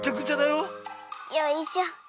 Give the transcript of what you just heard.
よいしょ。